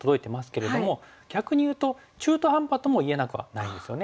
逆にいうと中途半端ともいえなくはないんですよね。